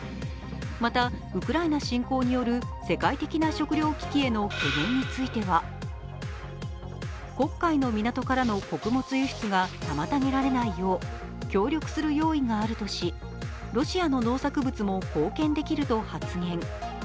また、ウクライナ侵攻による世界的な食糧危機への懸念については黒海の港からの穀物輸出が妨げられないよう協力する用意があるとし、ロシアの農作物も貢献できると発言。